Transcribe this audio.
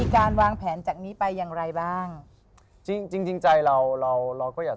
การวางแผนจากนี้ไปอย่างไรบ้างจริงจริงใจเราเราเราก็อยาก